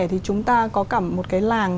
thì chúng ta có cả một cái làng